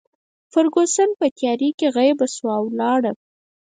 فرګوسن په تیارې کې غیبه شوه او ولاړه.